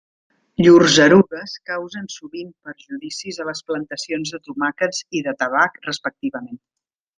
Llurs erugues causen sovint perjudicis a les plantacions de tomàquets i de tabac respectivament.